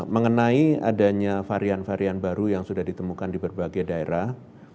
mengenai adanya varian varian baru yang sudah ditemukan di berbagai daerah